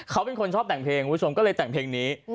เขาเป็นคนชอบแต่งเพลงคุณผู้ชมก็เลยแต่งเพลงนี้